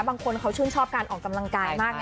บางคนเขาชื่นชอบการออกกำลังกายมาก